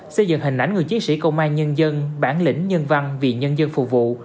xây dựng hình ảnh người chiến sĩ công an nhân dân bản lĩnh nhân văn vì nhân dân phục vụ